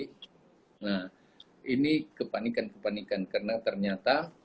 nah ini kepanikan kepanikan karena ternyata